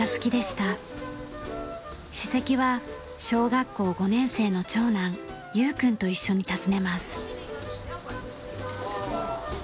史跡は小学校５年生の長男有君と一緒に訪ねます。